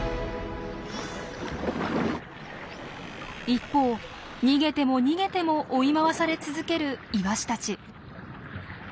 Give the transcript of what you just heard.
一方逃げても逃げても追い回され続けるイワシたち。